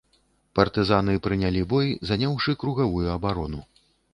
Партызаны прынялі бой, заняўшы кругавую абарону.